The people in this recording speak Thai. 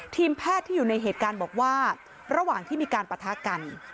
ทีมแพทย์ที่อยู่ในเหตุการณ์บอกว่าระหว่างที่มีการปะทะกัน